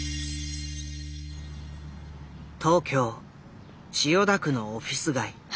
東京千代田区のオフィス街。